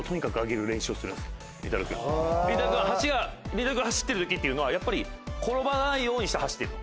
りんたろう君走ってる時っていうのはやっぱり転ばないようにして走ってるの。